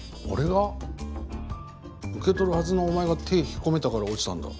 受け取るはずのお前が手引っ込めたから落ちたんだ。